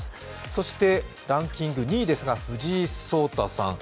そして、ランキング２位ですが、藤井聡太さん。